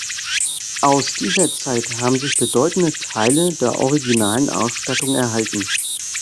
Aus dieser Zeit haben sich bedeutende Teile der originalen Ausstattung erhalten.